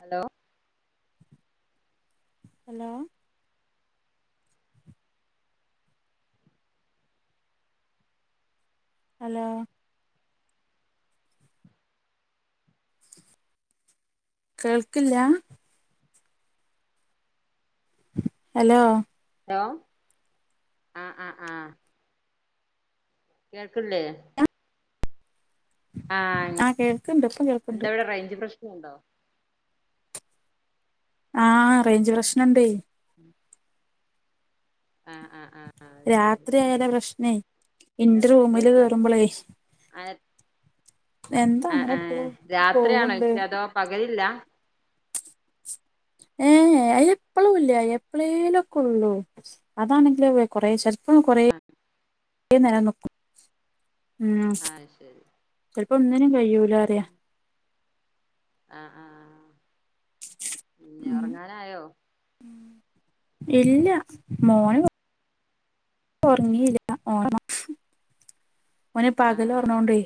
Hello? Hello? Hello? കേൾക്കില്ല? Hello? Hello ആഹ് ആഹ് ആഹ്. കേൾക്ക്ല്ലേ? ആഹ് ഇൻ ആ കേൾക്ക്ണ്ട് ഇപ്പം കേൾക്ക്ണ്ട് എന്താവടെ റേഞ്ച് പ്രശ്നണ്ടോ? ആഹ് റേഞ്ച് പ്രശ്നം ഇണ്ടേ. ഉം ആഹ് ആഹ് ആഹ് ശരി രാത്രി ആയാല പ്രശ്നേ? ഇന്റെ പിന്നെന്താ റൂമില് വിശേഷം കേറുമ്പളെ ആഹ് എന്താ ആഹ് അങ്ങനെ ഇപ്പോ ആഹ് രാത്രിയാണോ പോവ്ണ്ട്. വിഷയം അതോ പകലില്ല? ഏഹ് ഏ എപ്പഴും ഇല്ല എപ്പഴേലൊക്കെ ഉള്ളൂ. അതാണെങ്കിലേ കൊറെ ചേ ഉം കുറെ ആഹ് നേരം നിക്കും. അത് ശരി. ചിലപ്പോ ഒന്നിനും കഴിയൂല അറിയാം. ആഹ് ആഹ് പിന്നെ ഉം ഉറങ്ങാനായോ. ഇല്ല മോൻ. ഉറങ്ങിയില്ല. ഓ ഓൻ പകല് ആഹ് ഉർങ്ങോണ്ടെ.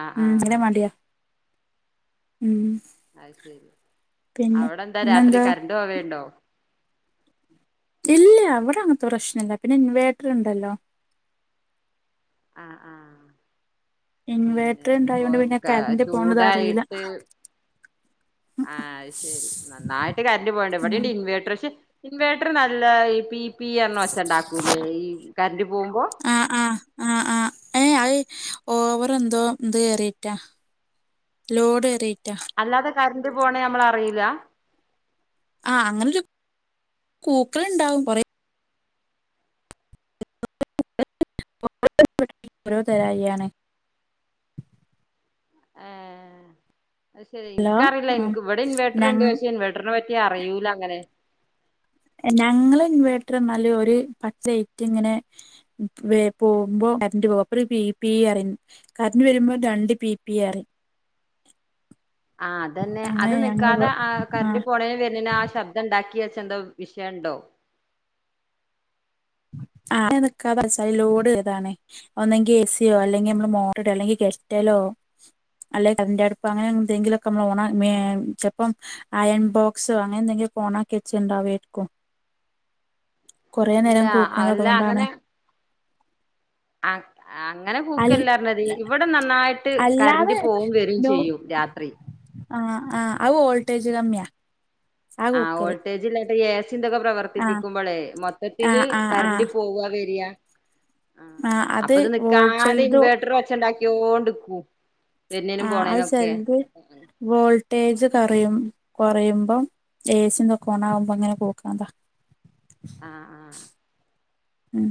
ആഹ് ഉം പിന്നെ ആഹ് മടിയാ ഉം. അത് ശരി പിന്നെ അവിടെ എന്താ രാത്രി ഇന്നെന്താ കറണ്ട് പോവയുണ്ടോ. ഇല്ല ഇവിടെ അങ്ങനത്തെ പ്രശ്നം ഇല്ല. പിന്നെ ഇൻവേർട്ടർ ഉണ്ടല്ലോ. ആഹ് ആഹ്. പിന്നെ ഇൻവേർട്ടർ ഇപ്പൊ ഉണ്ടായോണ്ട് പിന്നെ ക കറന്റ് പോണത് അറിയില്ല. ചൂടായിട്ട്. ആഹ് അത് ശരി നന്നായിട്ട് കറന്റ് പോയണ്ട് എവിടെണ്ട് ഉം ഇൻവേർട്ടർ ഇൻവേർട്ടർ നല്ല ഈ പി പി എന്ന് ഒച്ച ഉണ്ടാക്കൂല്ലേ, ഈ കറന്റ് പോകുമ്പോ. ആഹ് ആഹ് ആഹ് ആ ഏയ് അത് ഓവർ എന്തോ എന്ത് കേറിറ്റാ. ലോഡ് ഏറിറ്റാ. അല്ലാതെ കറന്റ് പോണേ നമ്മള് അറിയില്ല. ആഹ് അങ്ങനൊരു കൂക്കള് ഉണ്ടാവും കുറെ. [unintelligible] ഓരോ തരയാണ് ആഹ് അത് ശരി ഹലോ എനിക്കറിയില്ല. ആഹ് എനിക്ക് ഇവിട ഇൻവെർട്ടർ ഇണ്ട് ഞങ്ങ പക്ഷേ ഇൻവെ വെർട്ടറെ പറ്റി അറിയൂല അങ്ങനെ. ഞങ്ങളെ ഇൻവേട്രന്നാല് ഒര് പച്ച ലെയ്റ്റ് ങ്ങനെ വേ പോമ്പോ കരൻഡ് അപ്പോര് പീപീ അറിം കര്ന്റ് വരുമ്പോൾ രണ്ട്പിപിഅറിം ആഹ് അതന്നെഅത് ന്ക്കാതെ ആ ആഹ് കര്ന്റ്പോണേന് വെര്നേന്ആശബ് ശബ്ദം ണ്ടാക്കി വെച്ച യെന്തോ വിഷയണ്ടോ ആഹ് നിക്കാതച്ച ലോഡ്താണ് ഒന്നെങ്കിഎസിയോ അല്ലെങ്കി മ്മഅളെ മോട്ട്രഅല്ലെങ്കിൽ ഗെറ്റലോ അല്ലെ കര്ന്റെ അട്പ്പ അങ്ങനെ എന്തെങ്കിലൊക്കെമ്മളൊണാ മേ ചെപ്പം അയൺ ബോക്സ് അങ്ങനെ എന്തെങ്കും ഓണ കെച്ച്ണ്ടാവേര്ക്കും അല്ല അല്ല അതുകൊണ്ടാണ് അങ്ങനെ ആ [unintelligible] അങ്ങനെ അൽ കൂക്കല്ലർഞ്ഞത് ഇവിടെ നന്നായിട്ട് അല്ലാതെ ലോ കര്ന്റ്പോവുംവെരുംചെയ്യും രാത്രി ആഹ് ആഹ് അഹ്ഓൾട്ടേജ്കമ്യ ആ വോൾട്ടേജ് ഇല്ലാണ്ടെ എസി ന്തൊക്കെ പ്രവർ ആഹ് പ്രർത്തിപ്പിക്കുമ്പോളെ മൊത്തത്തില് ആഹ് ആഹ് കര്ന്റ് ആഹ് പോവ്വാവെരാ ആ ആഹ് അത് അപ്പത് വോൾ നിക്കാത ചെലത് ഇൻവേട്ട്ര ഒച്ച ണ്ടാക്ക്യോണ്ട്ക്കും വെര്ന്നേനും ആഹ് അത് പോണേനുംഒക്കെ ചെലത് വോൾട്ടേജ് കൊറയും കൊറയുമ്പം എ സിതൊക്കെ ഓണ ആവുമ്പോങ്ങനെ പോക്ണത ആഹ്ആഹ് ഉം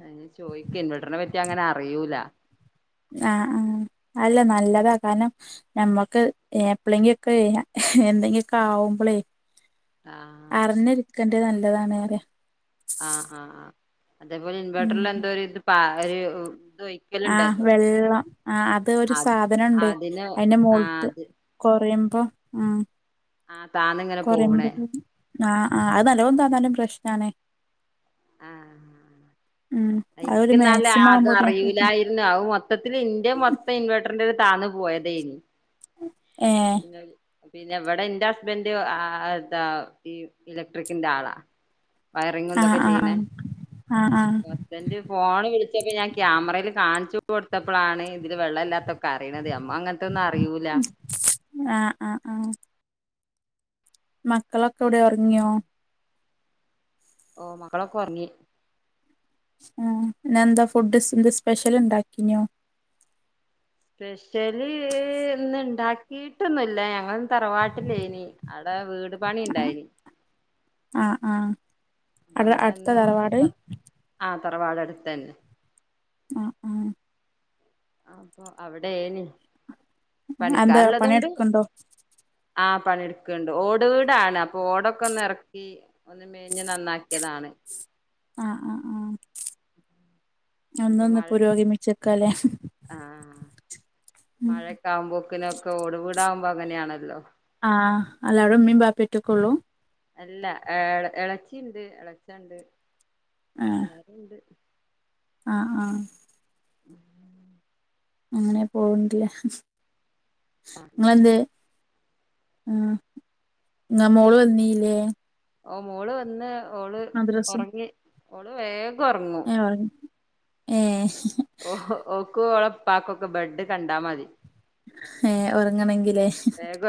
ഞാൻ ചോയ്ക്ക ഇൻവെർട്ടറിനെ പറ്റി അങ്ങനെ അറിയൂല ആഹ്ആഹ് അല്ല നല്ലതാ കാരണം നമ്മൊക്ക് എപ്പ്ളെങ്കി ഒക്കെ എന്തെങ്കി ഒക്കെ ആവുമ്പളേ ആ അറിഞ്ഞിരിക്കേണ്ടത് നല്ലതാണ് അറിയാ ആഹ് ആഹ് ആഹ് അതേപോലെ ഉം ഇൻവേർട്ട്രില്എന്തോ ഇത് പ ഒര് ഇതുവെയ്- ആവെള്ളം ആ അത് ഒരു സാധനണ്ടേയ് അതിന് അയ്ന്റെ ആ മോൾത്ത് അത് കൊറയുമ്പം ഉം ആഹ് താന്ന്ങ്ങ കൊറയുമ്പം ആഹ് ആഹ്അത് നല്ലോണം താഴ്ന്നാലും പ്രശ്നാണ് ആഹ് ഉം അതൊരു എനിക്ക്നാല് മാക്സിമം അത് ആവുമ്പോത്തിനൊക്കെ അറിയിലായി ന്നാവു മൊത്തത്തില്ഇന്റെമൊത്തം ഇൻവേട്ടറിന്റെ ഇരു താന്ന് പോയതേയ്നി- ഏഹ് പിന്നെവടെ ഇന്റെ ഹസ്ബൻഡ് ആതാ ഈ ഇലക്ട്രിക്കിന്റെ ആളാ വയറിങ്ങും ആഹ് ഇതൊക്കെ ആഹ് ചെയ്യണേ ആഹ് ആഹ് ആഹ് ഹസ്ബൻഡ് ഫോണി വിളിച്ചപ്പഞാൻ ക്യാമറല്കാണിച്ച്കൊടുത്തപ്പളാണ് ഇതില് വെള്ളല്ലാത്തൊക്കെ അറിണത് അമ്മ അങ്ങന തെന്ന്അറിയൂല ആഹ് ആഹ്ആഹ് മക്കളൊക്കെ എവിടെ ഒറങ്യോ ഓ മക്കളൊക്കെഒറങ്ങി ആഹ് ഇന്നെന്താഫുഡ് സ് സ്പെഷ്യൽ ഉണ്ടാക്കിനോ സ്പെഷ്യല് ഇന്ന്ണ്ടാക്കിയിട്ടൊന്ന്ല്ല ഞങ്ങൾ തറവാട്ടില്ലേയ്നിഅവ്ടെ വീട് പണി ണ്ടായ്നി ആഹ് ആഹ് അട് ‌അട്ത്താ തറവാട് ആഹ് തറവാടടുത്തന്നെ ആഹ് ആഹ് അപ്പൊ അവിടേനി എന്താ പണിക്കാര് ഉള്ളതോണ്ട് പണിയെടുക്കണ്ടോ ആ പണിട്ക്ക്‌ണ്ട് ഓട് വീടാണ് അപ്പൊ ഓടൊക്കെന്നെറക്കി ഒന്ന് മേഞ്ഞ് നന്നാക്ക്യതാണ് ആഹ് ആഹ് ആഹ് എന്നാഒന്ന് പുരോഗമിച്ചേക്കാല്ലേ ആഹ് മഴൊക്കെ ആവുമ്പോക്കിനൊക്കെ ഓട് വിടാവുമ്പോങ്ങനെയാണല്ലോ ആഹ് അല്ല അടെ ഉമ്മീൻ ബാപ്പറ്റൊക്കെ ഉള്ളൂ അല്ല ഇളച്ചിയുണ്ട് ഇളച്ചുണ്ട് എല്ലാരും ഉണ്ട് ആഹ് ആഹ് ഉ അങ്ങനെ പോവത്തില്ല നിങ്ങളെന്ത് ആഹ് ന്നാ മോള് വന്നീല്ലേ ഓ മോള് വന്ന് ഓള് ഒറങ്ങി ഓള് വേഗ ഏഹ് ഓഹ് ഓക്കും ഓളെ ഉപ്പക്കൊക്കെ ബെഡ് കണ്ടാൽ മതി- ഏഹ് ഒറങ്ങണെങ്കിലേ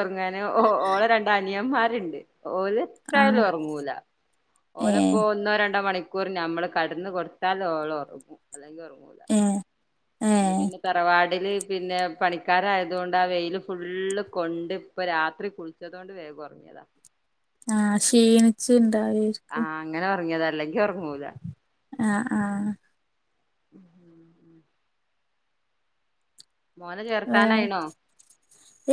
ഒറങ്ങാന് ഓ ഓളെ രണ്ടനിയന്മാരുണ്ട് ഓല് ആ എത്രാലും ഒറങ്ങൂല ഏ ഓലപ്പോ ഒന്നോ രണ്ടോ മണി- ക്കൂറി നമ്മള് കെടന്ന് കൊടുത്താല് ഓള് ഒറങ്ങും അല്ലെങ്കിൽ ഉറങ്ങൂല ഏഹ് പിന്നെ പിന്നെ തറവാടില് പിന്നെ പണിക്കാരായതുകൊണ്ട് ആ വെയില് ഫുള്ള് കൊണ്ട് ഇപ്പ രാത്രി കുളിച്ചത് കൊണ്ട് വേഗം ഒറങ്ങിയതാ ആഹ് ക്ഷീണിച്ചിണ്ടാവെ- ആഹ് അങ്ങനെ ഒറങ്ങിയതാ അല്ലെങ്കി ഒറങ്ങൂല ആഹ് ആഹ് മോനെ ഏഹ് ചേർത്താനായിണോ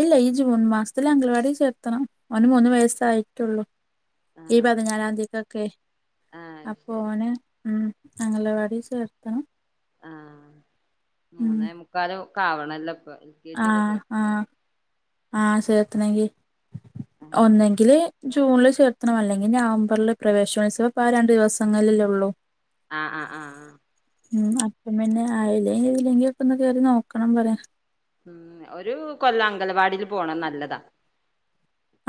ഇല്ല ഈ ജൂൺ മാസ്ത്ത്ല് അഗലവാടി ചേർത്തണം ഓന് മൂന്ന് വയസ്സായിറ്റൊള്ളു ഈ ആഹ് പതിനാലാംന്തിക്കെക്കെ ആഹ് ശരി അപ്പോന് ളം അംഗലവാടീ ചേർത്തണം ആഹ് ഉം മൂന്നേ മുക്കാലൊ ക്കാവണല്ലാെ പ്പത് ആഹ് ആഹ് ആഹ് ചേർത്തണെങ്കി ആഹ് ഒന്നെങ്കില് ജൂൺല് ചേർത്തണം അല്ലെങ്കി ഞവംബർല് പ്രവേശനോത്സവപ്പാ രണ്ട് ദിവസങ്ങൾലല്ലെ ഒള്ളൂ ആഹ് ആഹ് ആഹ് ആഹ് ഉം അപ്പം പിന്നെ ആയീലേ ഇതിലെങ്കി ഒക്കൊന്ന് കേറി നോക്കണം പറ്യാ ഉം ഒരു കൊല്ലം അംഗലവാടീല് പോണെ നല്ലതാ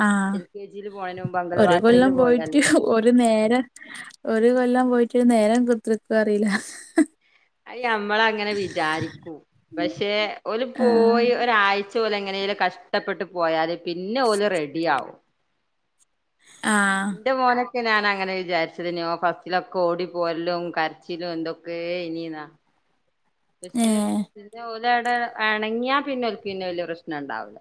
ആഹ് എൽ കെ ജീല് പോയേനുമ്പ് അഗലവാടീല് പോയാലേ ഒര് നേരം ഒരു കൊല്ലം പോയിട്ട് ഒര് നേരം കുത്ത്ർക്കാേ അറീലാ അയ് ഞമ്മളങ്ങെനെ വിചാരിക്കും പക്ഷേ ഓല് ആഹ് പോയി ഒരായ് ച്ച ഓലെങ്ങെനേലും കഷ്ട്ടപ്പെട്ട് പോയാല് പിന്നോല് റെഡി ആവും ആഹ് ഉം ന്റെ മോനൊക്കെ ഞാനങ്ങെനെ വിചാര്ച്ചെത് ഞ്ഞോൻ ഫസ്റ്റ്ലൊക്കെ ഓടി പോരെലും കര്ച്ചിലും എന്തൊക്കേനീന്നാ ഏ പക്ഷെ പിന്നെ ഓലെവ്ടെ എണെങ്ങ്യാ പിന്നൊല്ക്ക് പിന്നെ വെല്യ പ്രശ്നണ്ടാവുല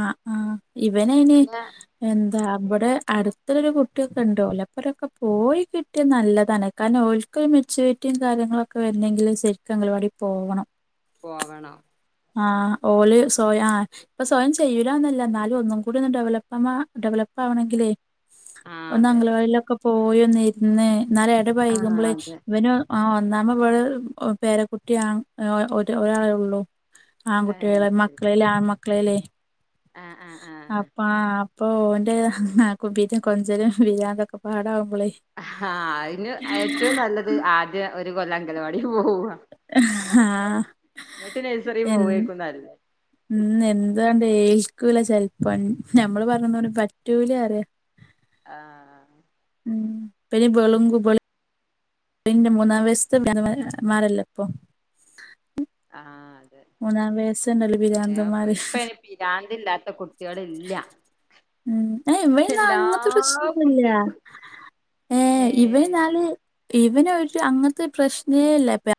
അഹ് ആഹ് ഇവനയ്ന് പിന്നെ എന്താ ബ്ടെ അട്ത്തൊരു കുട്ട്യൊക്കെണ്ട് ഓലാെപ്പരൊക്കെ പോയ് കിട്ട്യാ നല്ലതാണ് കാര്ണം ഓൽക്കൊര് മെച്ചൂരിറ്റിം കാര്യങ്ങളൊക്കെ വെര്നെങ്കില് സെര്ക്ക് അഗൽവാടി പോണം പോവണം ആഹ് ഓല് സാെയം ആഹ് പ്പം സ്വയം ചെയ്യൂലാന്നല്ല ന്നാലും ഒന്നും കൂട്യൊന്ന് ഡെവലപ്പമാ ഡെവലപ്പാവണെങ്കിലേ ആഹ് ഒന്ന് അതെ അഗലവാടീലൊക്കെ പോയി ഒന്നിര്ന്ന് ന്നാലെ ആഹ് എടപയ്ക്മ്പ്ളേ അതെ ഇവനൊ ആഹ് ഒന്നാമെ വെള് ഒ പേരക്കുട്ട്യാം ഏഹ് ഒര് ഒരാളെ ഒള്ളൂ ആഹ് ആങ്കുട്ട്യേള് ശരി മക്ക്ളേല് ആൺമക്ക്ളേലേ ആഹ് ആഹ് ആഹ് അപ്പം ആഹ് പ്പൊ ഓന്റെ ഏഹ് കുപ്പീത്തിം കൊഞ്ചലും പിരാന്തും ഒക്കെ പാടാവ്മ്പ്ളേ ആഹ് അയ്ന് ഏറ്റവും നല്ലത് ആദ്യം ഒര് കൊല്ലങ്കലവാടീ പോവാ ആഹ് ന്നെട്ട് നെഴ്സെറീ എ പോവേക്കും നല്ലേ ഉം എന്തു ആണ്ട് ഏൽക്കൂല ചെൽപ്പം ഞമ്മള് പർഞ്ഞാെന്നും ഓന് പറ്റൂലറ്യാ ആഹ് ഉം പ്പെയ്ന് ബെളുംങ്കു ബെള് ന്റെ മൂന്നാം വയ്സ്ത്തെ [unintelligible] മാരെല്ലെപ്പം ആഹ് അതെ മൂന്നാം വയസ്സുണ്ടല്ലോ ഏഹ് ഇപ്പ പിരാന്തന്മാര് ഇപ്പയ്ന് പിരാന്തില്ലാത്ത കുട്ട്യേള് ഇല്ലാ ഉം ഏഹ് ഇവയ്ന്നാ അങ്ങെൻത്തെ പ്രശ്നൊന്നുല്ലാ കുട്ടികൾക്കും ഏഹ് ഇവൻന്നാല് ഇവന് ഒര് അങ്ങൻത്താെര് പ്രശ്നേല്ല പെ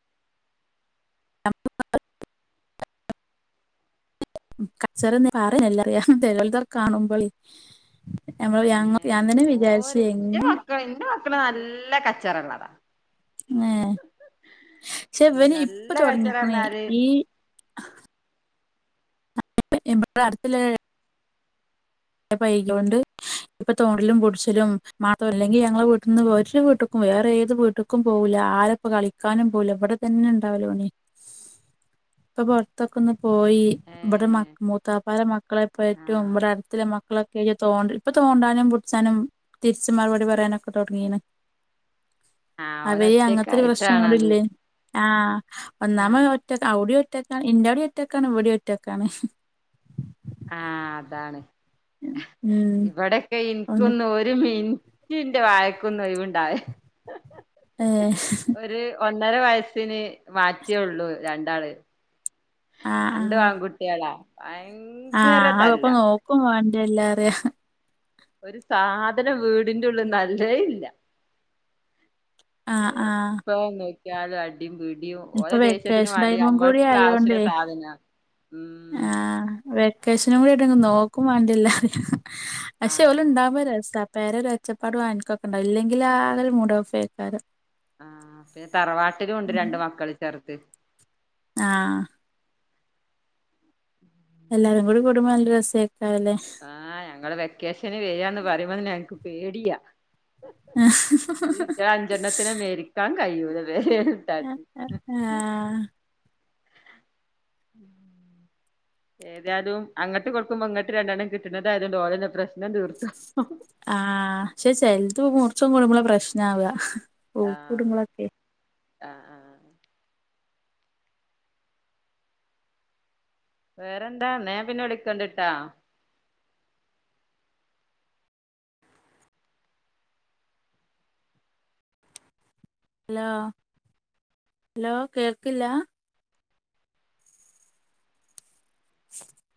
കച്ചെറൊന്നും [unintelligible] റ്യാ ചെലോര്താണ്ട് കാണുമ്പളേ ഞമ്മള് ഞങ്ങക്ക് ഞാൻ തന്നെ വിചാര്ച്ച് എങ്ങെനെ ക്കെ ഇന്റെ മക്കള് നല്ലെ കച്ചെറകളാടാ ഏഹ് ക്ഷെ ഇവന് ഇപ്പ നല്ല തൊട്ങ്ങീക്ക്ണേ കച്ചറർഞ്ഞാല് ഈ [unintelligible] പൈലോണ്ട് ഇപ്പൊ തോണ്ടലും പുടിച്ചലും മാത്രം അല്ലെങ്കിൽ ഞങ്ങളെ വീട്ടിൽ നിന്ന് ഒരു വീട്ടക്കും വേറെ ഏത് വീട്ടക്കും പോവുല്ല ആരെ ഇപ്പോ കളിക്കാനും പോകുല ഇവടെ തന്നെ ഉണ്ടാവലോന് ഇപ്പൊ പൊറ ത്തൊക്ക ഒന്ന് പോയി ഇവിടെ മ ഏഹ് മൂത്താപ്പാലെ മക്കളെപ്പോറ്റും ആഹ് ഇവിടെടു മക്കളൊക്കെ തോ ഇപ്പൊ തോണ്ടാനും പുടിച്ചാനും തിരിച്ച് മറുപടി പറയാനൊക്കെ തൊടങ്ങിന്ന്. ആഹ് അവര് അങ്ങനത്തെ ഒരു ഓനൊറ്റക്കായിട്ടാണത് പ്രശ്നോടല്ലേന്നു. ആഹ് ഒന്നാമത് ആഹ് ഒറ്റക്ക അവിടെയും ഒറ്റക്കാണ് ഇന്റെ അവിടെയും ഒറ്റക്കാണ് ഇവിടെ ഒറ്റക്കാണ്. ആഹ് അതാണ് ഉം ഇവിടെക്കെ ഓന് ഇനിക്കൊന്ന് ഒരു മീൻ റ്റ്ന്റെ വായക്കൊന്നും ഒയ്ണ്ടാവൂല ഏഹ് ഒര് ഒന്നര വയസ്സിന് മാറ്റിയള്ളു രണ്ടാള് ആഹ് രണ്ടും ആൺകുട്ടികളാ ഭയങ്കര തല്ല ക്കും വേണ്ടർലറയാ ഒരു സാധനം വീടിന്റെ ഉള്ളിൽ നല്ലയില്ല. ആഹ് ആഹ് എപ്പ നോ നോക്കിയാലും അടിയും പിടിയും ഇപ്പൊ ഓലെ ദേഷ്യത്തിന് വെക്കേഷൻ വേണ്ടി ടൈമും കൂടി നമ്മൾക്കുള്ള ആവശ്യല്ല ആയോണ്ടേ സാധന ഉം ആഹ് വെക്കേഷനും കൂടിയായിട്ടെങ്കും നോക്കും വേണ്ടില്ല. പക്ഷേ ഓല് ആഹ് ഉണ്ടാവുമ്പോ രസാ പെര ഒരു ഒച്ചപ്പാടും അനക്കൊക്കെണ്ടാവും ഇല്ലെങ്കിലാകെരു മൂടോഫേക്കാരം. ആഹ് പിന്നെ തറവാട്ടിലും ഉണ്ട് രണ്ട് മക്കള് ചെർത്. ആഹ് [inaudible] എല്ലാരും കൂടി കൂടുമ്പോ നല്ല രസേക്കാല്ലേ ആഹ് ഞങ്ങള് വെക്കേഷന് വരിയാന്ന് പറയുമ്പോ തന്നെ ഞങ്ങക്ക് പേടിയാ. ഈ അഞ്ചെണ്ണത്തിനെ മെരിക്കാൻ കഴൂലലേ അഹ് അഹ് ആഹ് ഏതായാലും അങ്ങോട്ട് കൊടുക്കുമ്പോ ഇങ്ങട്ട് രണ്ടെണ്ണം കിട്ടണതായോണ്ട് ഓലന്നെ പ്രശ്നം തീർത്തോ ആഹ് പക്ഷെ ചെൽത് മൂർച്ച കൂടുമ്പളാ പ്രശ്നാവ. ഊക്ക് ആഹ് കൂടുമ്പളൊക്കെ ആഹ് ആഹ് വേറെന്താ ന്നാ ഞാൻ പിന്നെ വിളിക്കണ്ട് ട്ടാ ഹലോ ഹലോ കേൾക്കില്ല. [unintelligible]